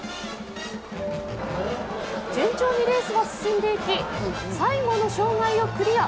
順調にレースは進んでいき最後の障害をクリア。